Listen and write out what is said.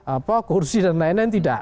apa kursi dan lain lain tidak